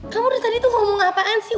kamu dari tadi tuh ngomong apaan sih